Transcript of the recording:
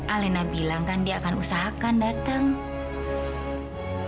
alena bilang kan dia akan usahakan datangnya ma